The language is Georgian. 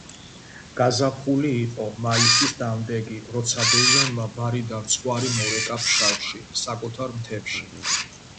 გაზაფხული იყო, მაისის დამდეგი, როცა ბეჟანმა ბარიდან ცხვარი მორეკა ფშავში, საკუთარ მთებში.